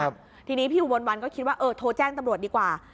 ทีนี้พี่อุบลวันก็คิดว่าเออโทรแจ้งตำรวจดีกว่า